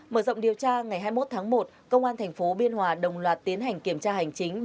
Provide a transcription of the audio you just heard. mở rộng điều tra ngày hai mươi một tháng một công an tp biên hòa đồng loạt tiến hành kiểm tra hành chính